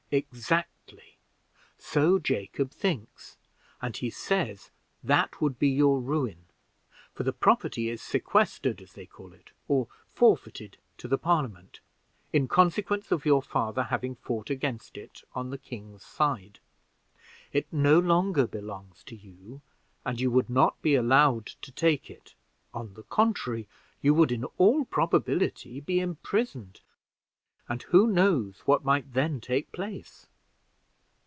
"Exactly; so Jacob thinks, and he says that would be your ruin, for the property is sequestered, as they call it, or forfeited to the Parliament, in consequence of your father having fought against it on the king's side. It no longer belongs to you, and you would not be allowed to take it: on the contrary, you would, in all probability, be imprisoned, and who knows what might then take place?